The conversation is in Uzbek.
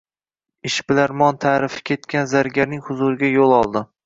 Ishbilarmon taʼrifi ketgan zargarning huzuriga yoʻl oldi